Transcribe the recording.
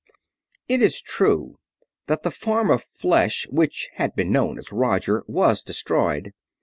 It is true that the form of flesh which had been known as Roger was destroyed.